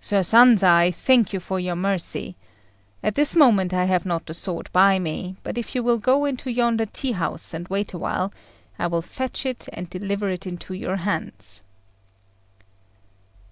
"Sir Sanza, I thank you for your mercy. At this moment I have not the sword by me, but if you will go into yonder tea house and wait awhile, I will fetch it and deliver it into your hands."